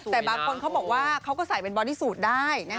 แต่บางคนเขาบอกว่าเขาก็ใส่เป็นบอดี้สูตรได้